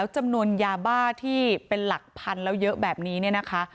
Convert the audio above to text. จำนวนยาบ้าที่เป็นหลักพันแล้วเยอะแบบนี้เนี่ยนะคะ